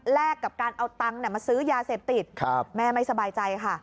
แลกกับการเอาตังค์เนี่ยมาซื้อยาเสพติดครับแม่ไม่สบายใจค่ะ